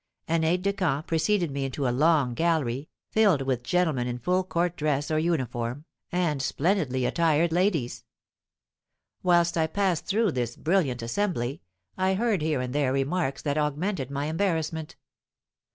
An aide de camp preceded me into a long gallery, filled with gentlemen in full court dress or uniform, and splendidly attired ladies. Whilst I passed through this brilliant assembly, I heard here and there remarks that augmented my embarrassment.